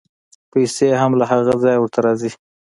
پیسې هم له هغه ځایه ورته راځي.